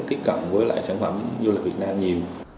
tiếp cận với lại sản phẩm du lịch việt nam nhiều